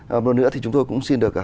một lần nữa thì chúng tôi cũng xin được